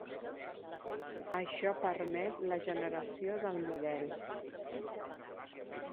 Això permet la generació del model.